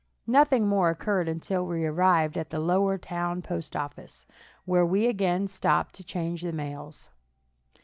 Nothing more occurred until we arrived at the lower town postoffice, where we again stopped to change the mails.